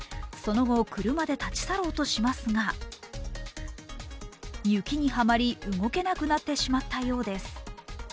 その後、車で立ち去ろうとしますが雪にはまり、動けなくなってしまったようです。